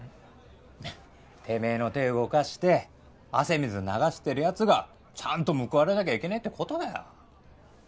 てめえの手動かして汗水流してるヤツがちゃんと報われなきゃいけねえってことだよ